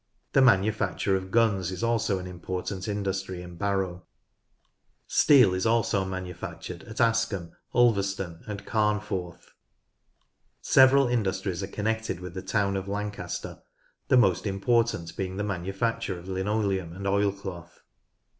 The manufacture of guns is also an important industry in Barrow. Steel is also manufactured at Askham, Ulverston, and Carnforth. Several industries are connected with the town of Lancaster, the most important heing the manufacture of linoleum and oilcloth.